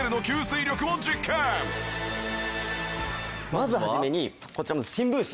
まず初めにこちらの新聞紙